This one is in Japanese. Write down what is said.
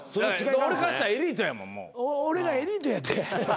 俺がエリートやって。